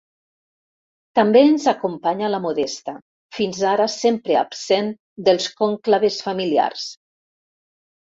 També ens acompanya la Modesta, fins ara sempre absent dels conclaves familiars.